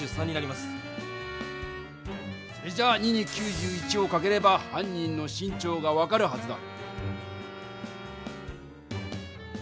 それじゃ２に９１をかければ犯人の身長が分かるはずだ。